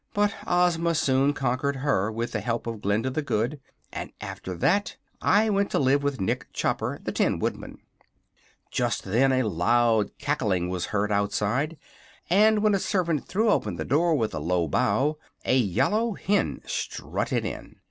But Ozma soon conquered her, with the help of Glinda the Good, and after that I went to live with Nick Chopper, the Tin Woodman." Just then a loud cackling was heard outside; and, when a servant threw open the door with a low bow, a yellow hen strutted in.